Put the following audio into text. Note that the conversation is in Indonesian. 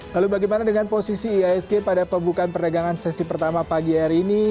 lalu bagaimana dengan posisi iasg pada pembukaan perdagangan sesi pertama pagi hari ini